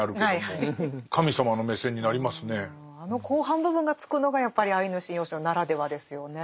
あの後半部分がつくのがやっぱり「アイヌ神謡集」ならではですよね。